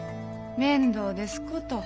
面倒ですこと。